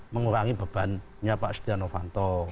mengurangi bebannya pak setia novanto